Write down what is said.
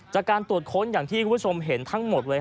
จากการตรวจค้นอย่างที่คุณผู้ชมเห็นทั้งหมดเลย